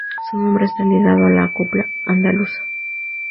Su nombre está ligado a la copla andaluza.